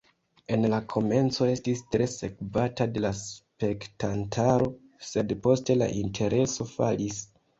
En la komenco estis tre sekvata de la spektantaro, sed poste la intereso falis.